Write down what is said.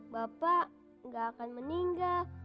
bapak gak akan meninggal